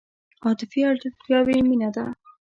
عاطفي اړتیاوې مینه ده.